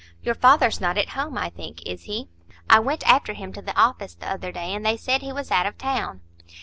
Your father's not at home, I think, is he? I went after him to the office the other day, and they said he was out of town."